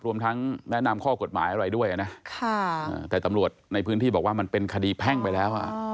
รวมทั้งแนะนำข้อกฎหมายอะไรด้วยนะแต่ตำรวจในพื้นที่บอกว่ามันเป็นคดีแพ่งไปแล้ว